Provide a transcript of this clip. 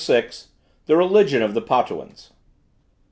THE RELIGION OF THE POTUANS.